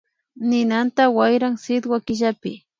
Ninanta wayran sitwa killapi